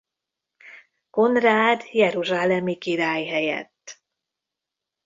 Konrád jeruzsálemi király helyett.